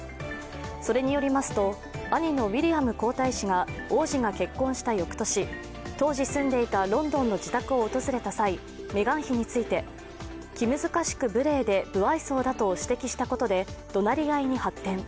それによると、兄のウィリアム皇太子が王子が結婚した翌年、当時住んでいたロンドンの自宅を訪れた際、メガン妃について、気難しく無礼で無愛想だと指摘したことでどなり合いに発展。